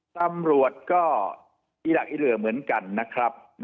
ตำรวจก็อีหลักอีเหลือเหมือนกันนะครับ